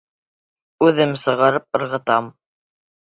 Үҙем сығарып ырғытам!